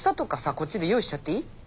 こっちで用意しちゃっていい？